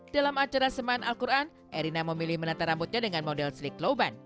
dalam acara semaan al quran irina memilih menata rambutnya dengan model sleek low bun